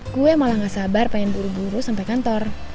gue malah gak sabar pengen buru buru sampai kantor